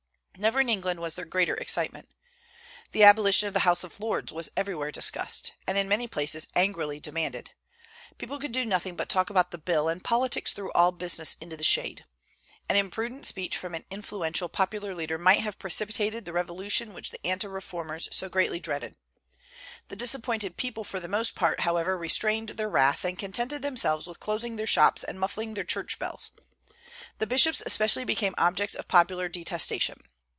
Never in England was there greater excitement. The abolition of the House of Lords was everywhere discussed, and in many places angrily demanded. People could do nothing but talk about the bill, and politics threw all business into the shade. An imprudent speech from an influential popular leader might have precipitated the revolution which the anti reformers so greatly dreaded. The disappointed people for the most part, however, restrained their wrath, and contented themselves with closing their shops and muffling their church bells. The bishops especially became objects of popular detestation.